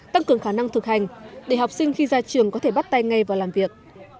tăng cường khả năng thực hành để học sinh khi ra trường có thể bắt tay ngay vào làm việc